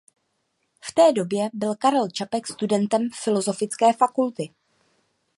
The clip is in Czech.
V té době byl Karel Čapek studentem filozofické fakulty.